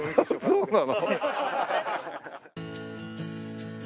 そうなの？